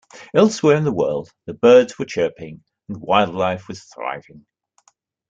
Elsewhere in the world, the birds were chirping and wildlife was thriving.